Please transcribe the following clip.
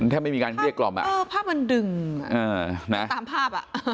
ไม่มีการเกลี้ยกล่อมภาพมันดึงตามภาพอ่ะ